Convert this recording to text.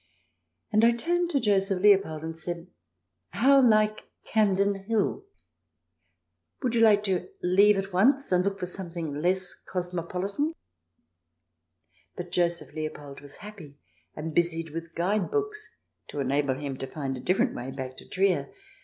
And I turned to Joseph Leopold, and said :" How like Campden Hill ! Would you like to leave at once, and look for something less cosmopolitan ?" 86 THE DESIRABLE ALIEN [ch. vi But Joseph Leopold was happy, and busied with guide books to enable him to find a different way back to Trier.